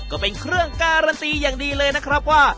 ก็เป็นเครื่องการันตีอย่างดีเลยนะครับว่า